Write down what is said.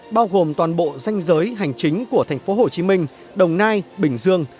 bao gồm toàn bộ danh giới hành chính của thành phố hồ chí minh đồng nai bình dương